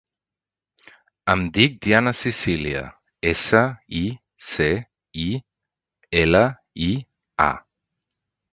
Em dic Diana Sicilia: essa, i, ce, i, ela, i, a.